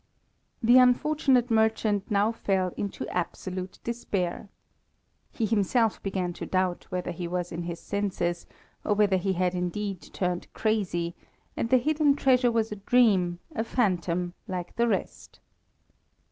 The unfortunate merchant now fell into absolute despair. He himself began to doubt whether he was in his senses, or whether he had indeed turned crazy, and the hidden treasure was a dream, a phantom, like the rest.